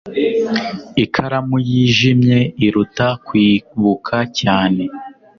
ikaramu yijimye iruta kwibuka cyane